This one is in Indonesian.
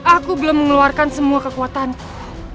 aku belum mengeluarkan semua kekuatanku